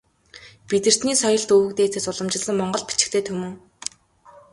Бидэртний соёлт өвөг дээдсээс уламжилсан монгол бичигтэй түмэн.